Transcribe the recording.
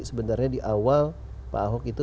sebenarnya di awal pak ahok itu